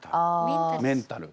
メンタル。